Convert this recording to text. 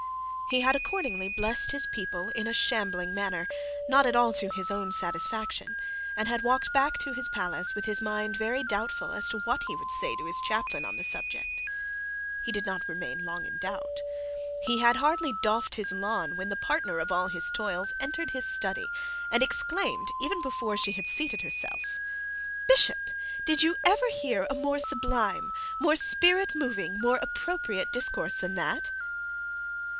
He had accordingly blessed his people in a shambling manner, not at all to his own satisfaction, and had walked back to his palace with his mind very doubtful as to what he would say to his chaplain on the subject. He did not remain long in doubt. He had hardly doffed his lawn when the partner of all his toils entered his study, and exclaimed even before she had seated herself 'Bishop, did you ever hear a more sublime, more spirit moving, more appropriate discourse than that?'